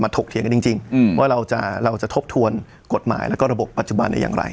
มาถกเถียงกันจริงจริงอืมว่าเราจะเราจะทบทวนกฎหมายแล้วก็ระบบปัจจุบันอย่างไร